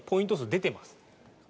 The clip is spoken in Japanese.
出てます？